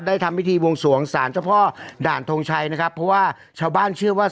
ทำพิธีวงสวงสารเจ้าพ่อด่านทงชัยนะครับเพราะว่าชาวบ้านเชื่อว่า